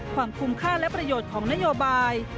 ความคุ้มค่าและประโยชน์ของนโยบาย